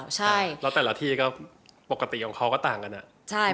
แล้วแต่ละที่ปกติของเขาก็ต่างกัน